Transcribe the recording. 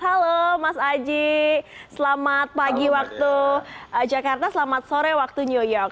halo mas aji selamat pagi waktu jakarta selamat sore waktu new york